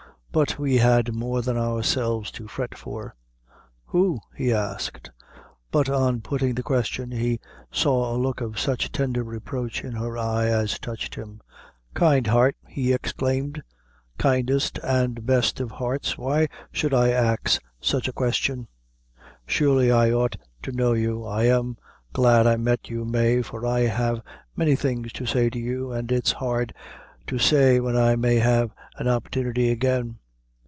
But we had more than ourselves to fret for." "Who?" he asked; but on putting the question, he saw a look of such tender reproach in her eye as touched him. "Kind heart!" he exclaimed; "kindest and best of hearts, why should I ax such a question? Surely I ought to know you. I am glad I met you, Mave, for I have many things to say to you, an' it's hard to say when I may have an opportunity again."